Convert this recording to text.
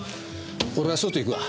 俺は外行くわ。